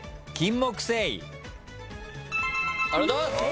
ありがとうございます。